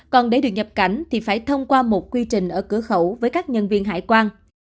còn để được nhập cảnh thì phải thông qua một quy trình ở cửa khẩu với các nhân viên hải quan